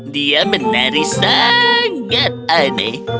dia menari sangat aneh